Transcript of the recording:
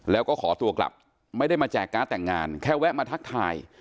แล้วก็ขอตัวกลับไม่ได้มาแจกการ์ดแต่งงานแค่แวะมาทักทาย